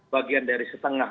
bagian dari setengah